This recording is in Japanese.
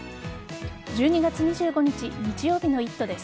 １２月２５日日曜日の「イット！」です。